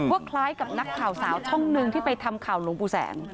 คล้ายกับนักข่าวสาวช่องหนึ่งที่ไปทำข่าวหลวงปู่แสง